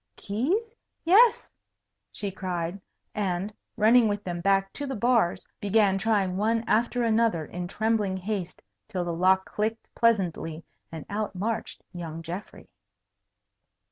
"Keys? Yes!" she cried, and, running with them back to the bars, began trying one after another in trembling haste till the lock clicked pleasantly, and out marched young Geoffrey.